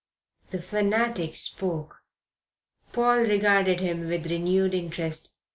The fanatic spoke. Paul regarded him with renewed interest.